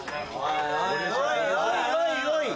おいおいおいおい！